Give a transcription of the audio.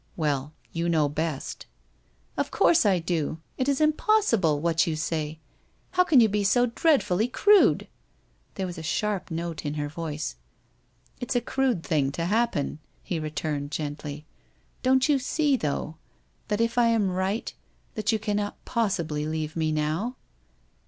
' Well, you know best.' * Of course I do. It is impossible, what you say. How can you be so dreadfully crude ?' There was a sharp note in her voice. ' It's a crude thing to happen,' he returned gently. ' Don't you see, though, that if I am right, that you cannot possibly leave me now?'